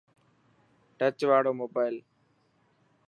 ٽچ واڙو موبائل.